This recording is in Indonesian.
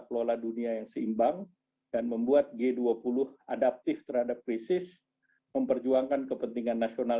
kelola dunia yang seimbang dan membuat g dua puluh adaptif terhadap krisis memperjuangkan kepentingan nasional